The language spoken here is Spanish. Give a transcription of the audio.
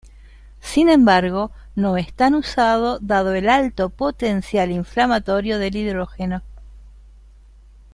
Sin embargo no es tan usado dado el alto potencial inflamatorio del hidrógeno.